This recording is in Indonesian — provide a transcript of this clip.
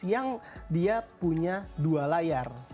yang dia punya dua layar